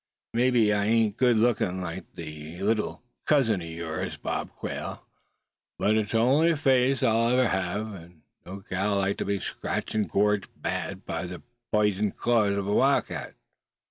Mebbe I ain't good lookin' like thet leetle cousin o' yours, Bob Quail; but it's the on'y face I'll ever hev; and no gal likes to be scratched an' gouged bad by the pizen claws o' a wildcat."